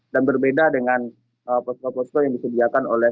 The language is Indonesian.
dan berbeda dengan posto posto yang disediakan oleh